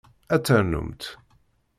Ad ternumt?